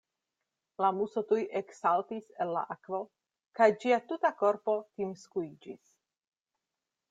La Muso tuj eksaltis el la akvo, kaj ĝia tuta korpo timskuiĝis.